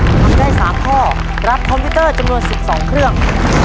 ทำได้๓ข้อรับคอมพิวเตอร์จำนวน๑๒เครื่อง